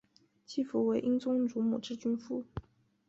季福为英宗乳母之夫君。